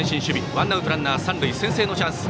ワンアウト、ランナーは三塁先制のチャンス